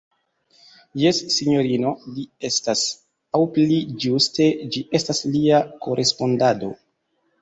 Jes, sinjorino, li estas; aŭ pli ĝuste, ĝi estas lia korespondado.